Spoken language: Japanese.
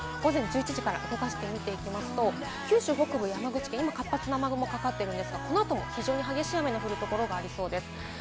午前１１時から動かして見ていきますと、九州北部、今、活発な雨雲がかかっているんですが、この後も非常に激しい雨の降るところがありそうです。